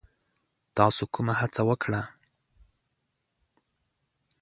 تاسو کومه هڅه وکړه؟